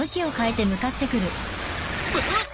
あっ！